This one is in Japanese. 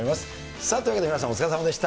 さあ、そういうわけで皆さん、お疲れさまでした。